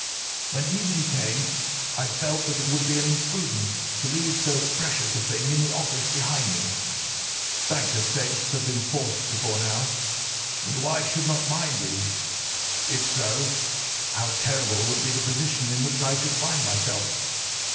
"When evening came I felt that it would be an imprudence to leave so precious a thing in the office behind me. Bankers' safes had been forced before now, and why should not mine be? If so, how terrible would be the position in which I should find myself!